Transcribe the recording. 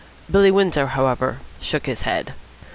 Billy Windsor, however, shook his head.